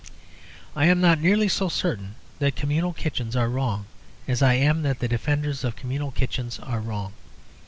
I am not nearly so certain that communal kitchens are wrong as I am that the defenders of communal kitchens are wrong.